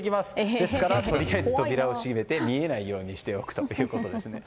ですからとりあえず扉を閉めて見えないようにしておくと。